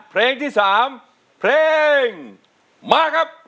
เพลงที่๓เพลงมาครับ